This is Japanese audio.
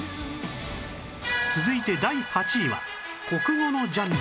続いて第８位は国語のジャンルから